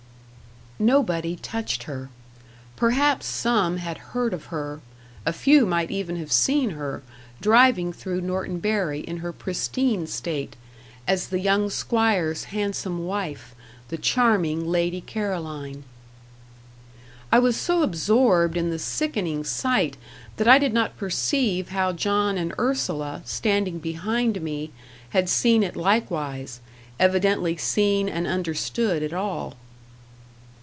Nobody touched her. Perhaps some had heard of her; a few might even have seen her driving through Norton Bury in her pristine state, as the young 'squire's handsome wife the charming Lady Caroline. I was so absorbed in the sickening sight, that I did not perceive how John and Ursula, standing behind me, had seen it likewise evidently seen and understood it all.